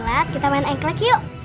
wow deb kita main engklek yuk